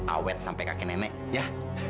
awet sampai kakek nenek ya